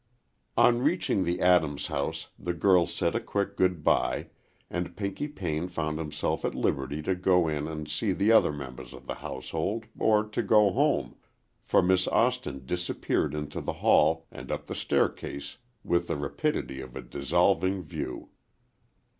On reaching the Adams house, the girl said a quick good by, and Pinky Payne found himself at liberty to go in and see the other members of the household, or to go home, for Miss Austin disappeared into the hall and up the staircase with the rapidity of a dissolving view.